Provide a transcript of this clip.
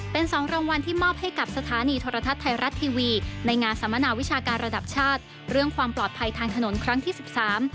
เป็นสองรางวัลที่มอบให้กับสถานีโทรทัศน์ไทยรัฐทีวีในงานสัมมนาวิชาการระดับชาติเรื่องความปลอดภัยทางถนนครั้งที่สิบสาม